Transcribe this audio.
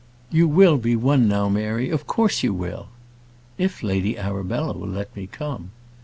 "You will be one now, Mary; of course you will." "If Lady Arabella will let me come."